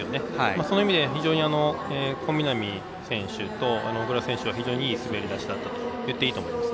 そういった意味でも小南選手と小椋選手は非常にいい滑り出しだったと言っていいと思います。